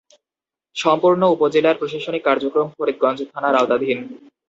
সম্পূর্ণ উপজেলার প্রশাসনিক কার্যক্রম ফরিদগঞ্জ থানার আওতাধীন।